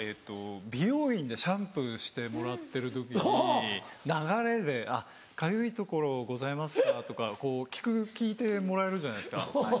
美容院でシャンプーしてもらってる時に流れで「あっかゆい所ございますか？」とか聞いてもらえるじゃないですか。